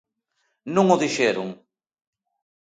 Non o dixeron.